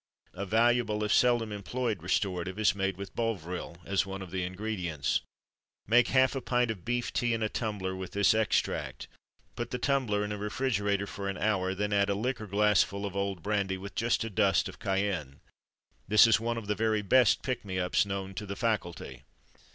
A valuable if seldom employed restorative is made with Bovril as one of the ingredients. Make half a pint of beef tea in a tumbler with this extract. Put the tumbler in a refrigerator for an hour, then add a liqueur glassful of old brandy, with just a dust of cayenne. This is one of the very best pick me ups known to the faculty.